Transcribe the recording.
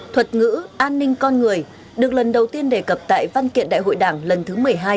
thuật ngữ an ninh con người được lần đầu tiên đề cập tại văn kiện đại hội đảng lần thứ một mươi hai